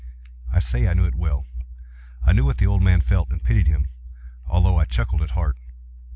I say I knew it well. I knew what the old man felt, and pitied him, although I chuckled at heart.